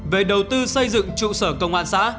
về đầu tư xây dựng trụ sở công an xã